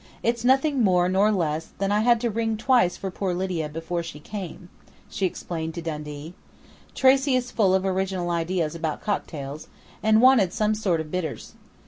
"It's nothing more nor less than that I had to ring twice for poor Lydia before she came," she explained to Dundee. "Tracey is full of original ideas about cocktails, and wanted some sort of bitters.